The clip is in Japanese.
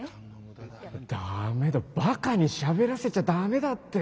ダメだバカにしゃべらせちゃダメだって。